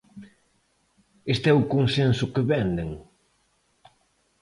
¿Este é o consenso que venden?